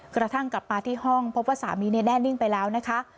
กระทั่งกลับมาที่ห้องพบว่าสามีแน่นิ่งไปแล้วนะคะ